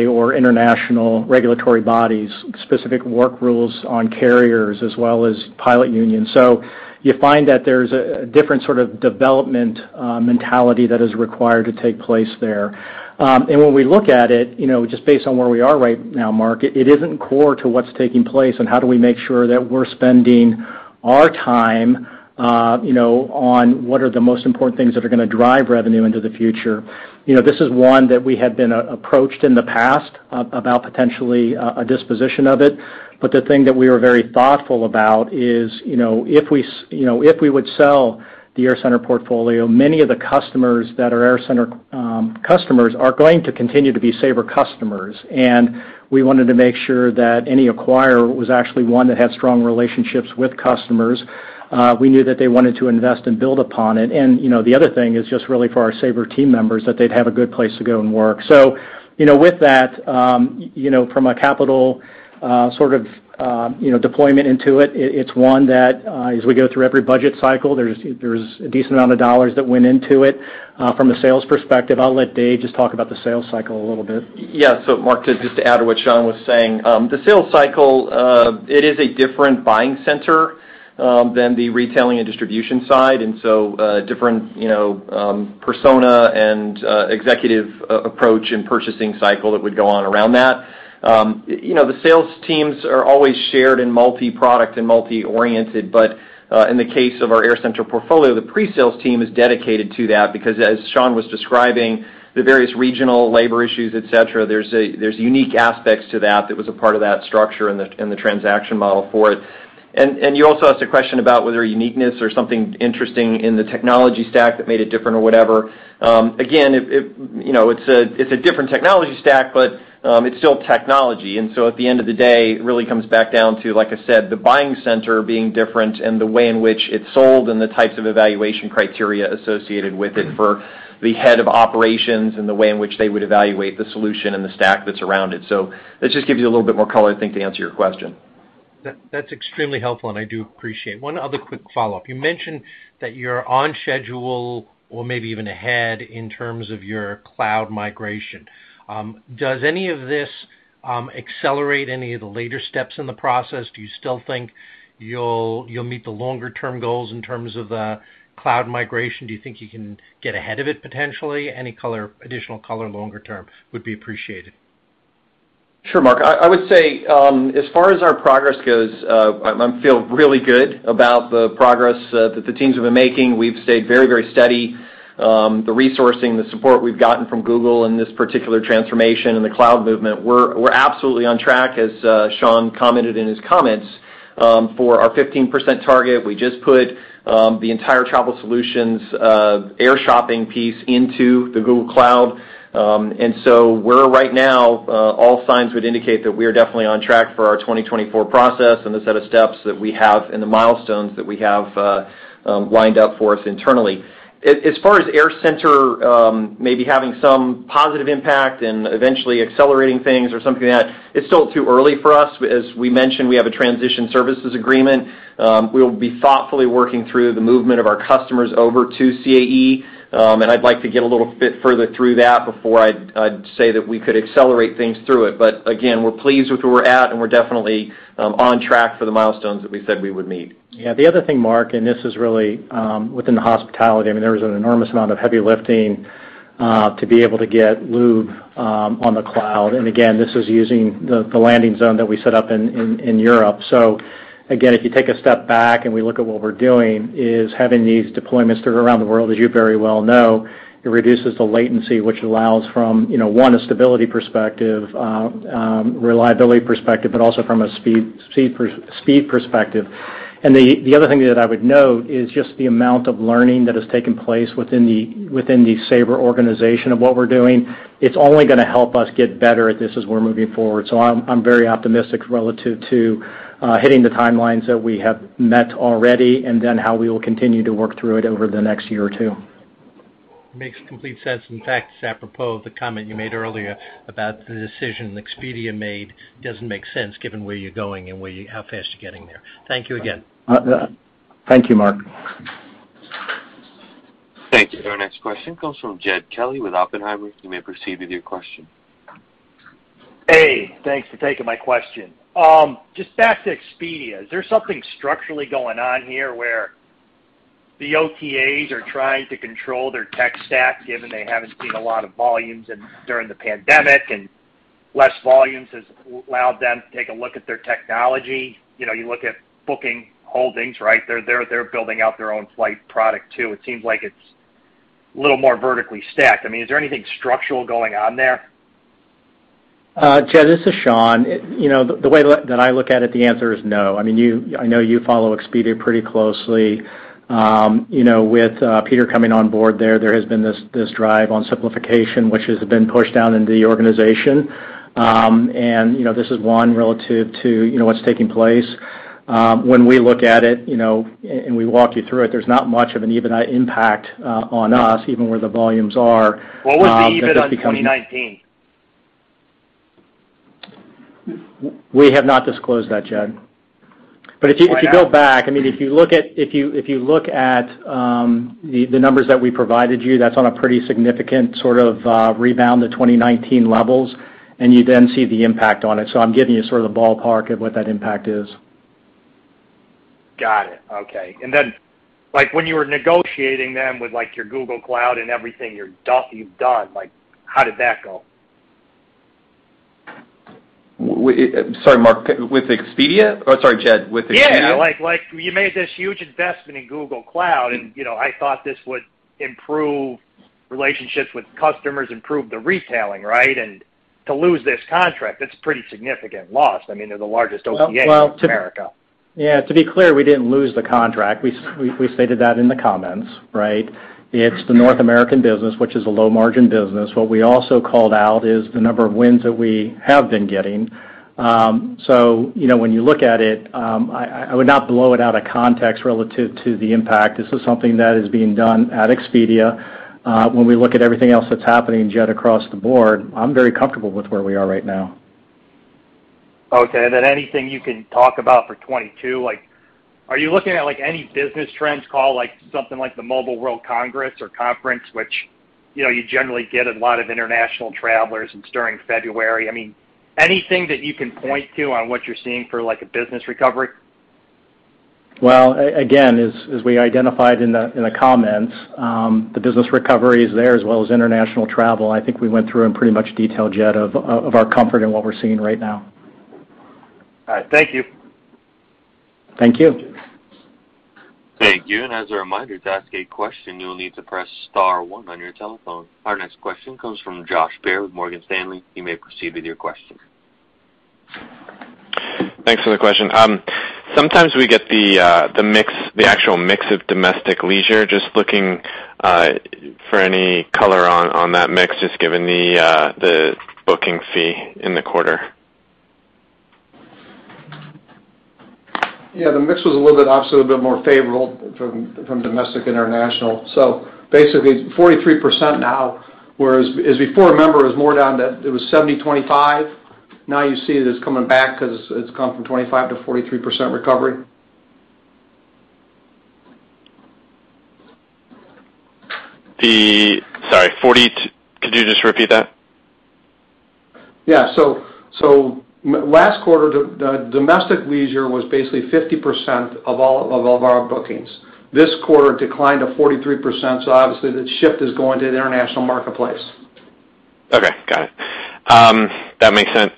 Speaker 3: FAA, or international regulatory bodies, specific work rules on carriers as well as pilot unions. You find that there's a different sort of development mentality that is required to take place there. When we look at it, you know, just based on where we are right now, Mark, it isn't core to what's taking place and how do we make sure that we're spending our time, you know, on what are the most important things that are going to drive revenue into the future. You know, this is one that we had been approached in the past about potentially a disposition of it. The thing that we were very thoughtful about is, you know, if we would sell the AirCentre portfolio, many of the customers that are AirCentre customers are going to continue to be Sabre customers, and we wanted to make sure that any acquirer was actually one that had strong relationships with customers. We knew that they wanted to invest and build upon it. You know, the other thing is just really for our Sabre team members, that they'd have a good place to go and work. You know, with that, you know, from a capital sort of deployment into it's one that, as we go through every budget cycle, there's a decent amount of dollars that went into it. From a sales perspective, I'll let Dave just talk about the sales cycle a little bit.
Speaker 6: Yeah. Mark, just to add to what Sean was saying, the sales cycle is a different buying center than the retailing and distribution side, different, you know, persona and executive approach and purchasing cycle that would go on around that. You know, the sales teams are always shared in multi-product and multi-oriented, but in the case of our AirCentre portfolio, the pre-sales team is dedicated to that because as Sean was describing, the various regional labor issues, et cetera, there's unique aspects to that that was a part of that structure and the transaction model for it. You also asked a question about whether uniqueness or something interesting in the technology stack that made it different or whatever. Again, it you know, it's a different technology stack, but it's still technology. At the end of the day, it really comes back down to, like I said, the buying center being different and the way in which it's sold and the types of evaluation criteria associated with it for the head of operations and the way in which they would evaluate the solution and the stack that's around it. That just gives you a little bit more color, I think, to answer your question.
Speaker 7: That's extremely helpful, and I do appreciate. One other quick follow-up. You mentioned that you're on schedule or maybe even ahead in terms of your cloud migration. Does any of this accelerate any of the later steps in the process? Do you still think you'll meet the longer term goals in terms of the cloud migration? Do you think you can get ahead of it potentially? Any color, additional color longer term would be appreciated.
Speaker 6: Sure, Mark. I would say as far as our progress goes, I feel really good about the progress that the teams have been making. We've stayed very steady. The resourcing, the support we've gotten from Google in this particular transformation and the cloud movement, we're absolutely on track, as Sean commented in his comments, for our 15% target. We just put the entire Travel Solutions Air Shopping piece into the Google Cloud. We're right now, all signs would indicate that we are definitely on track for our 2024 process and the set of steps that we have and the milestones that we have lined up for us internally. As far as AirCentre, maybe having some positive impact and eventually accelerating things or something like that, it's still too early for us. As we mentioned, we have a transition services agreement. We'll be thoughtfully working through the movement of our customers over to CAE, and I'd like to get a little bit further through that before I'd say that we could accelerate things through it. Again, we're pleased with where we're at, and we're definitely on track for the milestones that we said we would meet.
Speaker 3: Yeah. The other thing, Mark, this is really within the hospitality. I mean, there is an enormous amount of heavy lifting to be able to get Louvre on the cloud. Again, this is using the landing zone that we set up in Europe. If you take a step back and we look at what we're doing is having these deployments throughout the world, as you very well know, it reduces the latency, which allows from, you know, one, a stability perspective, reliability perspective, but also from a speed performance perspective. The other thing that I would note is just the amount of learning that has taken place within the Sabre organization of what we're doing. It's only gonna help us get better at this as we're moving forward. I'm very optimistic relative to hitting the timelines that we have met already and then how we will continue to work through it over the next year or two.
Speaker 7: Makes complete sense. In fact, it's apropos the comment you made earlier about the decision Expedia made. It doesn't make sense given where you're going and how fast you're getting there. Thank you again.
Speaker 3: Thank you, Mark.
Speaker 1: Thank you. Our next question comes from Jed Kelly with Oppenheimer. You may proceed with your question.
Speaker 8: Hey, thanks for taking my question. Just back to Expedia, is there something structurally going on here where the OTAs are trying to control their tech stack, given they haven't seen a lot of volumes in during the pandemic, and less volumes has allowed them to take a look at their technology? You know, you look at Booking Holdings, right? They're building out their own flight product too. It seems like it's a little more vertically stacked. I mean, is there anything structural going on there?
Speaker 3: Jed, this is Sean. You know, the way that I look at it, the answer is no. I mean, I know you follow Expedia pretty closely. You know, with Peter coming on board there has been this drive on simplification, which has been pushed down into the organization. You know, this is one relative to you know, what's taking place. When we look at it, you know, and we walk you through it, there's not much of an even impact on us, even where the volumes are that this becomes-
Speaker 8: What was the EBIT in 2019?
Speaker 3: We have not disclosed that, Jed.
Speaker 8: Why not?
Speaker 3: If you go back, I mean, if you look at the numbers that we provided you, that's on a pretty significant sort of rebound to 2019 levels, and you then see the impact on it. I'm giving you sort of the ballpark of what that impact is.
Speaker 8: Got it. Okay. Then, like, when you were negotiating them with, like, your Google Cloud and everything you've done, like, how did that go?
Speaker 6: Sorry, Mark. With Expedia? Oh, sorry, Jed, with Expedia?
Speaker 8: Yeah. Like, you made this huge investment in Google Cloud, and, you know, I thought this would improve relationships with customers, improve the retailing, right? And to lose this contract, that's a pretty significant loss. I mean, they're the largest OTA in America.
Speaker 3: To be clear, we didn't lose the contract. We stated that in the comments, right? It's the North American business, which is a low-margin business. What we also called out is the number of wins that we have been getting. You know, when you look at it, I would not blow it out of context relative to the impact. This is something that is being done at Expedia. When we look at everything else that's happening, Jed, across the board, I'm very comfortable with where we are right now.
Speaker 8: Okay. Anything you can talk about for 2022? Like, are you looking at, like, any business trends call, like, something like the Mobile World Congress or conference which you know, you generally get a lot of international travelers during February. I mean, anything that you can point to on what you're seeing for like a business recovery?
Speaker 3: Well, again, as we identified in the comments, the business recovery is there as well as international travel. I think we went through in pretty much detail, Jed, of our comfort in what we're seeing right now.
Speaker 8: All right. Thank you.
Speaker 3: Thank you.
Speaker 1: Thank you. As a reminder, to ask a question, you'll need to press star one on your telephone. Our next question comes from Josh Baer with Morgan Stanley. You may proceed with your question.
Speaker 9: Thanks for the question. Sometimes we get the actual mix of domestic leisure. Just looking for any color on that mix, just given the booking fee in the quarter.
Speaker 4: Yeah, the mix was a little bit, obviously, a bit more favorable from domestic-international. Basically 43% now, whereas before, remember, it was more down to 70/25. Now you see it as coming back because it's come from 25% to 43% recovery.
Speaker 9: Sorry, could you just repeat that?
Speaker 4: Last quarter, the domestic leisure was basically 50% of all of our bookings. This quarter, it declined to 43%, so obviously the shift is going to the international marketplace.
Speaker 9: Okay. Got it. That makes sense.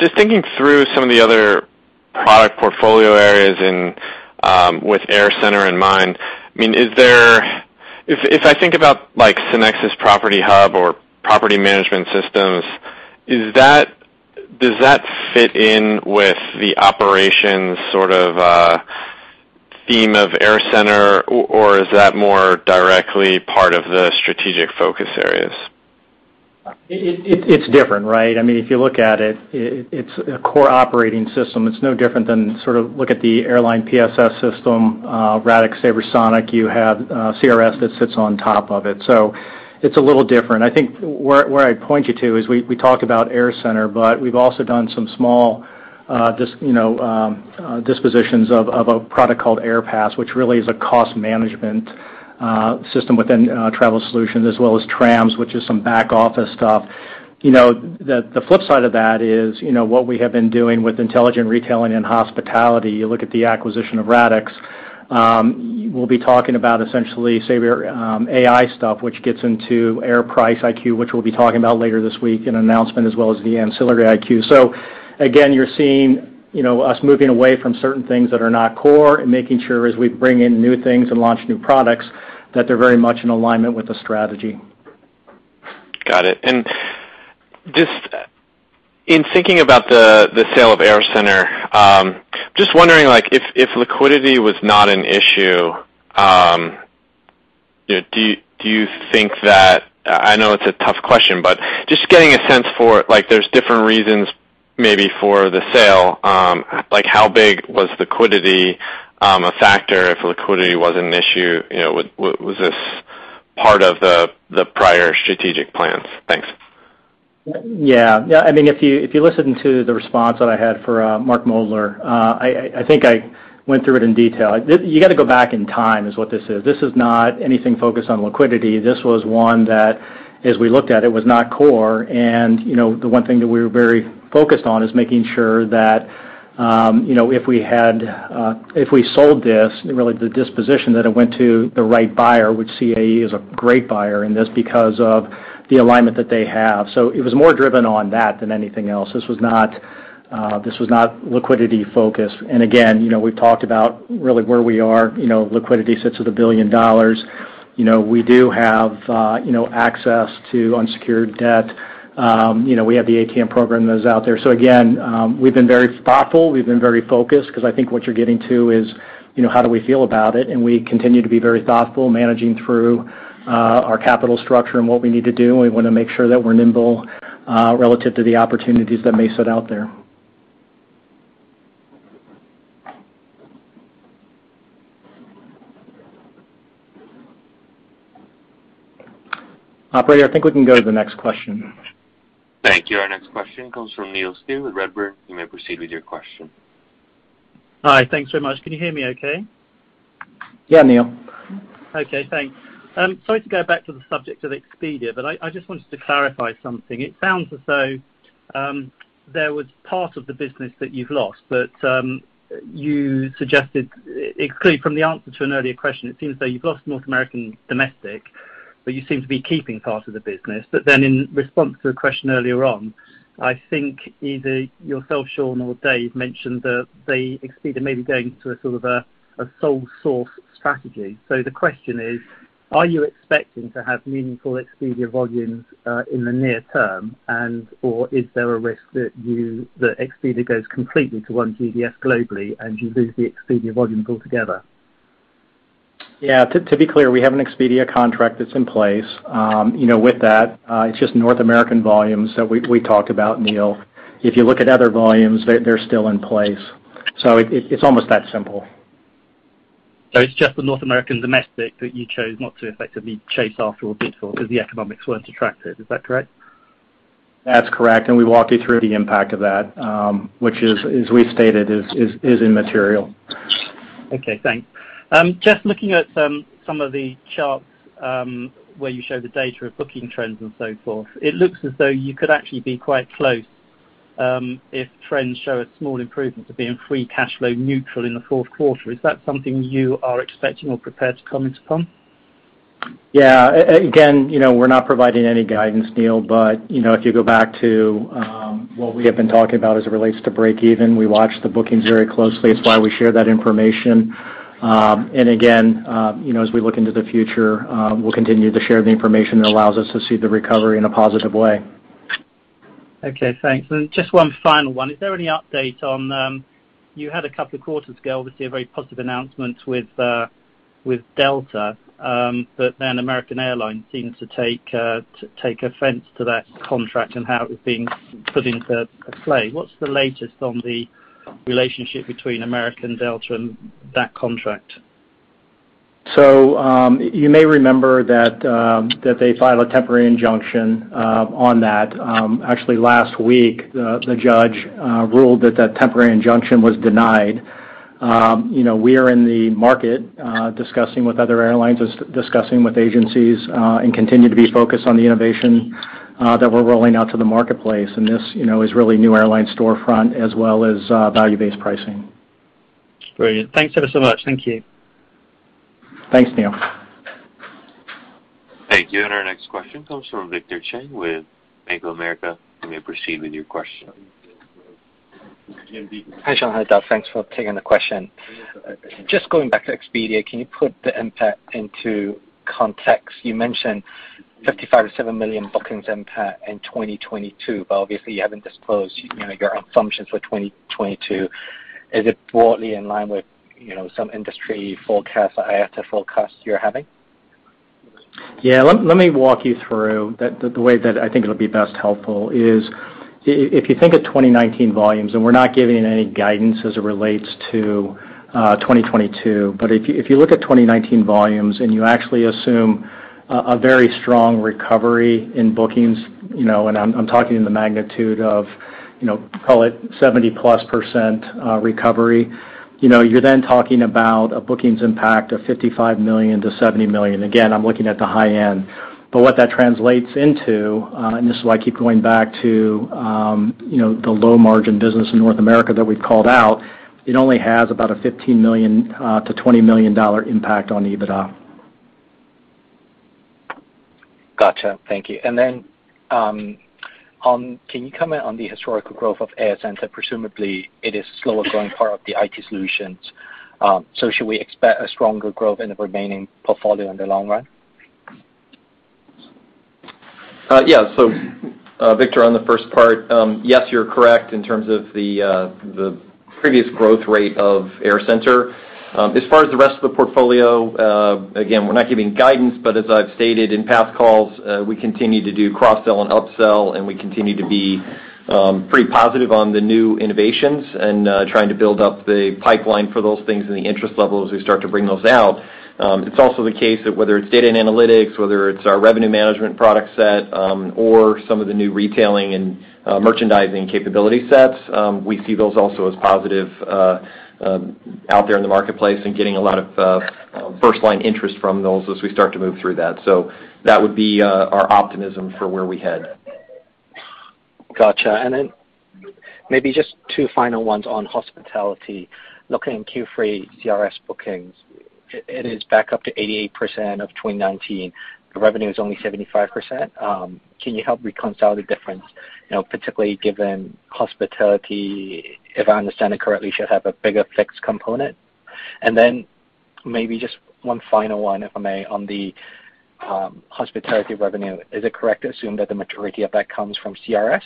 Speaker 9: Just thinking through some of the other product portfolio areas and, with AirCentre in mind, I mean, if I think about like SynXis Property Hub or property management systems, does that fit in with the operations sort of theme of AirCentre, or is that more directly part of the strategic focus areas?
Speaker 3: It's different, right? I mean, if you look at it's a core operating system. It's no different than sort of look at the airline PSS system, Radixx, SabreSonic. You have CRS that sits on top of it. So it's a little different. I think where I'd point you to is we talk about AirCentre, but we've also done some small dispositions of a product called Airpas, which really is a cost management system within Travel Solutions, as well as Trams, which is some back office stuff. You know, the flip side of that is, you know, what we have been doing with intelligent retailing and hospitality. You look at the acquisition of Radixx. We'll be talking about AI stuff, which gets into Air Price IQ, which we'll be talking about later this week in an announcement, as well as the Ancillary IQ. Again, you're seeing, you know, us moving away from certain things that are not core and making sure as we bring in new things and launch new products, that they're very much in alignment with the strategy.
Speaker 9: Got it. Just in thinking about the sale of AirCentre, just wondering, like, if liquidity was not an issue, you know, do you think that. I know it's a tough question, but just getting a sense for it, like, there's different reasons maybe for the sale. Like, how big was liquidity a factor? If liquidity wasn't an issue, you know, was this part of the prior strategic plans? Thanks.
Speaker 3: Yeah. Yeah, I mean, if you listen to the response that I had for Mark Moerdler, I think I went through it in detail. You got to go back in time is what this is. This is not anything focused on liquidity. This was one that, as we looked at, it was not core. You know, the one thing that we were very focused on is making sure that, you know, if we sold this, really the disposition, that it went to the right buyer, which CAE is a great buyer in this because of the alignment that they have. It was more driven on that than anything else. This was not liquidity-focused. Again, you know, we've talked about really where we are. You know, liquidity sits at $1 billion. You know, we do have you know, access to unsecured debt. You know, we have the ATM program that is out there. Again, we've been very thoughtful. We've been very focused because I think what you're getting to is, you know, how do we feel about it? We continue to be very thoughtful managing through our capital structure and what we need to do, and we want to make sure that we're nimble relative to the opportunities that may sit out there. Operator, I think we can go to the next question.
Speaker 1: Thank you. Our next question comes from Neil Steer with Redburn. You may proceed with your question.
Speaker 10: Hi. Thanks very much. Can you hear me okay?
Speaker 3: Yeah, Neil.
Speaker 10: Okay, thanks. Sorry to go back to the subject of Expedia, but I just wanted to clarify something. It sounds as though there was part of the business that you've lost, but you suggested, clearly from the answer to an earlier question, it seems as though you've lost North American domestic, but you seem to be keeping part of the business. Then in response to a question earlier on, I think either yourself, Sean, or Dave mentioned that Expedia may be going to a sort of a sole source strategy. The question is, are you expecting to have meaningful Expedia volumes in the near-term and/or is there a risk that Expedia goes completely to one GDS globally and you lose the Expedia volumes altogether?
Speaker 3: Yeah. To be clear, we have an Expedia contract that's in place. You know, with that, it's just North American volumes that we talked about, Neil. If you look at other volumes, they're still in place. It's almost that simple.
Speaker 10: It's just the North American domestic that you chose not to effectively chase after or bid for because the economics weren't attractive. Is that correct?
Speaker 3: That's correct. We walk you through the impact of that, which is, as we stated, is immaterial.
Speaker 10: Okay, thanks. Just looking at some of the charts, where you show the data of booking trends and so forth, it looks as though you could actually be quite close, if trends show a small improvement to being free cash flow neutral in the fourth quarter. Is that something you are expecting or prepared to comment upon?
Speaker 3: Yeah. Again, you know, we're not providing any guidance, Neil, but you know, if you go back to what we have been talking about as it relates to break even, we watch the bookings very closely. It's why we share that information. Again, you know, as we look into the future, we'll continue to share the information that allows us to see the recovery in a positive way.
Speaker 10: Okay, thanks. Just one final one. Is there any update on, you had a couple of quarters ago, obviously a very positive announcement with Delta, but then American Airlines seemed to take offense to that contract and how it was being put into play. What's the latest on the relationship between American, Delta, and that contract?
Speaker 3: You may remember that they filed a temporary injunction on that. Actually last week, the judge ruled that that temporary injunction was denied. You know, we are in the market discussing with other airlines, discussing with agencies, and continue to be focused on the innovation that we're rolling out to the marketplace. This, you know, is really New Airline Storefront as well as value-based pricing.
Speaker 10: Brilliant. Thanks ever so much. Thank you.
Speaker 3: Thanks, Neil.
Speaker 1: Thank you. Our next question comes from Victor Cheng with Bank of America. You may proceed with your question.
Speaker 11: Hi, Sean. Hi, Doug. Thanks for taking the question. Just going back to Expedia, can you put the impact into context? You mentioned $55 million-$70 million bookings impact in 2022, but obviously you haven't disclosed, you know, your assumptions for 2022. Is it broadly in line with, you know, some industry forecast or IATA forecast you're having?
Speaker 3: Yeah, let me walk you through the way that I think it'll be best helpful is if you think of 2019 volumes, and we're not giving any guidance as it relates to 2022, but if you look at 2019 volumes, and you actually assume a very strong recovery in bookings, you know, and I'm talking in the magnitude of, you know, call it 70%+ recovery, you know, you're then talking about a bookings impact of $55 million-$70 million. Again, I'm looking at the high-end. What that translates into, and this is why I keep going back to, you know, the low margin business in North America that we've called out, it only has about a $15 million-$20 million impact on EBITDA.
Speaker 11: Gotcha. Thank you. Can you comment on the historical growth of AirCentre? Presumably, it is slower growing part of the IT Solutions. Should we expect a stronger growth in the remaining portfolio in the long run?
Speaker 6: Yeah. Victor, on the first part, yes, you're correct in terms of the previous growth rate of AirCentre. As far as the rest of the portfolio, again, we're not giving guidance, but as I've stated in past calls, we continue to do cross-sell and upsell, and we continue to be pretty positive on the new innovations and trying to build up the pipeline for those things and the interest level as we start to bring those out.
Speaker 3: It's also the case that whether it's data and analytics, whether it's our revenue management product set, or some of the new retailing and merchandising capability sets, we see those also as positive out there in the marketplace and getting a lot of first line interest from those as we start to move through that. That would be our optimism for where we head.
Speaker 11: Gotcha. Maybe just two final ones on hospitality. Looking in Q3 CRS bookings, it is back up to 88% of 2019. The revenue is only 75%. Can you help reconcile the difference, you know, particularly given hospitality, if I understand it correctly, should have a bigger fixed component? Maybe just one final one, if I may, on the hospitality revenue. Is it correct to assume that the majority of that comes from CRS?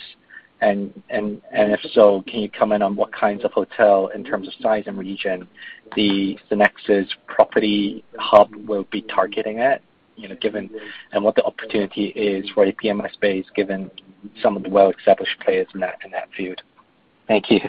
Speaker 11: And if so, can you comment on what kinds of hotels in terms of size and region the SynXis Property Hub will be targeting, you know, given what the opportunity is for a PMS space, given some of the well-established players in that field? Thank you.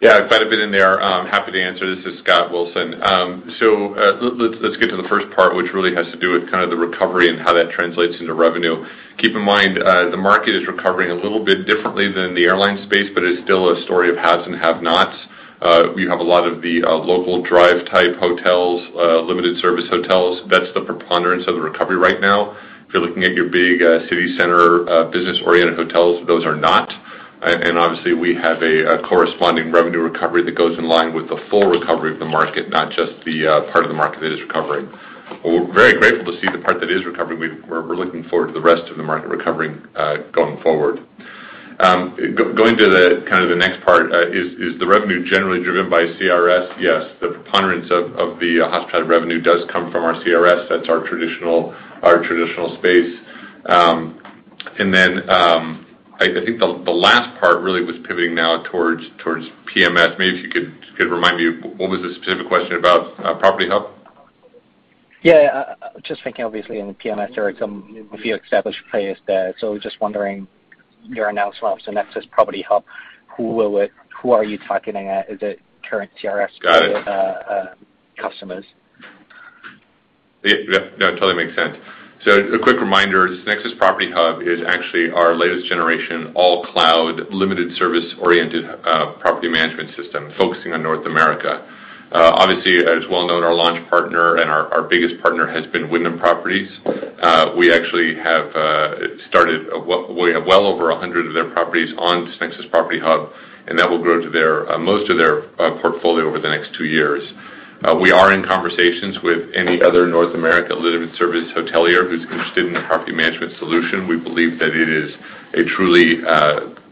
Speaker 12: Yeah. If I'd have been in there, I'm happy to answer. This is Scott Wilson. Let's get to the first part, which really has to do with kind of the recovery and how that translates into revenue. Keep in mind, the market is recovering a little bit differently than the airline space, but it's still a story of haves and have-nots. We have a lot of the local drive type hotels, limited service hotels. That's the preponderance of the recovery right now. If you're looking at your big city center, business-oriented hotels, those are not. Obviously, we have a corresponding revenue recovery that goes in line with the full recovery of the market, not just the part of the market that is recovering. We're very grateful to see the part that is recovering. We're looking forward to the rest of the market recovering, going forward. Going to the kind of next part, is the revenue generally driven by CRS? Yes. The preponderance of the hospitality revenue does come from our CRS. That's our traditional space. I think the last part really was pivoting now towards PMS. Maybe if you could remind me, what was the specific question about Property Hub?
Speaker 11: Yeah, just thinking obviously in the PMS, there are a few established players there. Just wondering your announcement on SynXis Property Hub, who are you targeting at? Is it current CRS-
Speaker 12: Got it.
Speaker 11: customers?
Speaker 12: Yeah, that totally makes sense. A quick reminder, SynXis Property Hub is actually our latest generation, all-cloud, limited service-oriented property management system focusing on North America. Obviously, as is well known, our launch partner and our biggest partner has been Wyndham Properties. We actually have well over 100 of their properties on SynXis Property Hub, and that will grow to most of their portfolio over the next two years. We are in conversations with any other North America limited service hotelier who's interested in a property management solution. We believe that it is a truly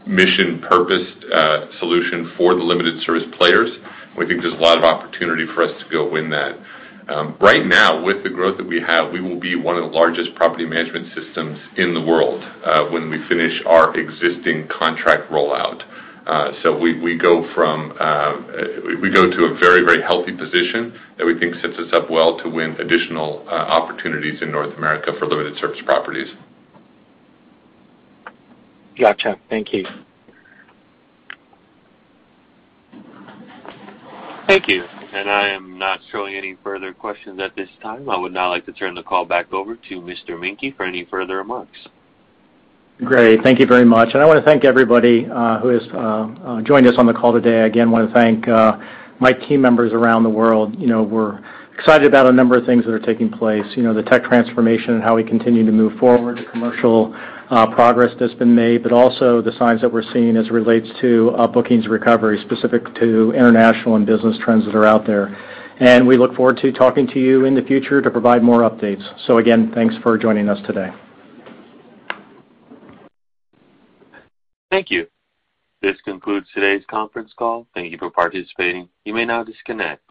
Speaker 12: mission-purposed solution for the limited service players. We think there's a lot of opportunity for us to go win that. Right now, with the growth that we have, we will be one of the largest property management systems in the world, when we finish our existing contract rollout. We go to a very, very healthy position that we think sets us up well to win additional opportunities in North America for limited service properties.
Speaker 11: Gotcha. Thank you.
Speaker 1: Thank you. I am not showing any further questions at this time. I would now like to turn the call back over to Mr. Menke for any further remarks.
Speaker 3: Great. Thank you very much. I wanna thank everybody who has joined us on the call today. Again, wanna thank my team members around the world. You know, we're excited about a number of things that are taking place, you know, the tech transformation and how we continue to move forward, the commercial progress that's been made, but also the signs that we're seeing as it relates to bookings recovery specific to international and business trends that are out there. We look forward to talking to you in the future to provide more updates. Again, thanks for joining us today.
Speaker 1: Thank you. This concludes today's conference call. Thank you for participating. You may now disconnect.